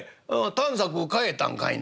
短冊変えたんかいな？」。